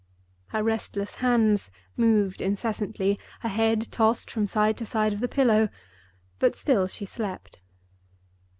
Her restless hands moved incessantly, her head tossed from side to side of the pillow, but still she slept.